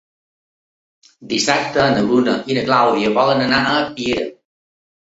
Dissabte na Bruna i na Clàudia volen anar a Piera.